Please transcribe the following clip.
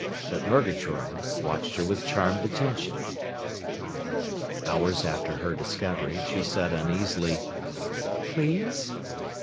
But Murgatroyd watched her with charmed attention. Hours after her discovery, she said uneasily, "Please?"